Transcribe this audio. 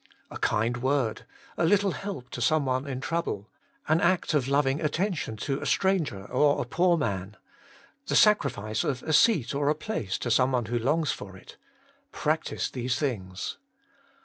A kind word, a little help to some one in trouble, an act of loving attention to a stranger or a poor man, the sacrifice of a seat or a place to some one who longs for it — practise these things.